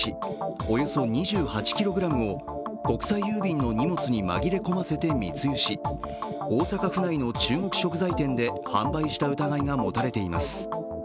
およそ２８ｋｇを国際郵便の荷物に紛れ込ませて密輸し大阪府内の中国食材店で販売した疑いが持たれています。